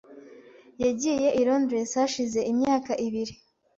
Yagiye i Londres hashize imyaka ibiri .